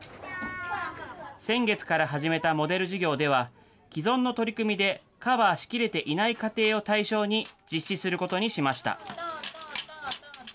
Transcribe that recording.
先月から始めたモデル事業では、既存の取り組みでカバーしきれていない家庭を対象に実施することにしました。